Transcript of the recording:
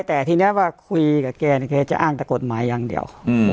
แต่ทีนี้ว่าคุยกับแกเนี่ยแกจะอ้างแต่กฎหมายอย่างเดียว